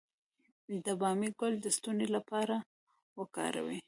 د بامیې ګل د ستوني لپاره وکاروئ